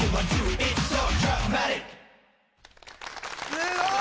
すごい！